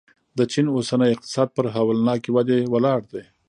د چین اوسنی اقتصاد پر هولناکې ودې ولاړ دی.